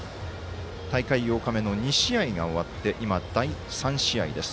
大会８日目の２試合が終わって第３試合です。